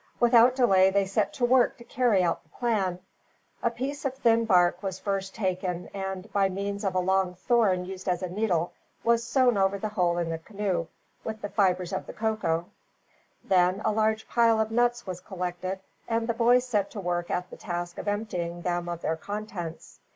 Without delay, they set to work to carry out the plan. A piece of thin bark was first taken and, by means of a long thorn used as a needle, was sewn over the hole in the canoe, with the fibers of the cocoa. Then a large pile of nuts was collected, and the boys set to work at the task of emptying them of their contents.